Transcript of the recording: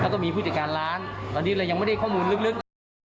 ก็มีผู้จัดการร้านตอนนี้ก็ยังไม่ได้ข้อมูลลึกลึก